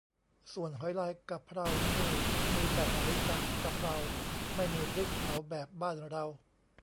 ส่วนหอยลายกะเพรานี่มีแต่หอยกะกะเพรา ไม่มีพริกเผาแบบบ้านเรา